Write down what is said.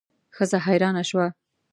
ښځه حیرانه شوه.